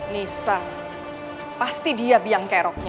nisa pasti dia biang keroknya